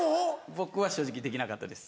僕は正直できなかったです。